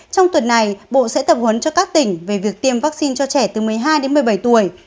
trong tuần này bộ sẽ tập huấn cho các tỉnh về việc tiêm vaccine cho trẻ từ một mươi hai đến một mươi bảy tuổi